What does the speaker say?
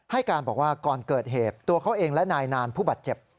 การบอกว่าก่อนเกิดเหตุตัวเขาเองและนายนานผู้บาดเจ็บ